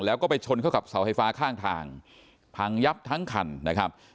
แล้วก็ไปชนเข้ากับเสาไฟฟ้าข้างทางพังยับทั้งคันนะครับ